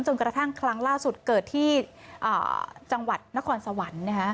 กระทั่งครั้งล่าสุดเกิดที่จังหวัดนครสวรรค์